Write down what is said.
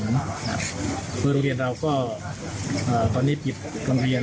คือโรงเรียนเราก็ตอนนี้ปิดโรงเรียน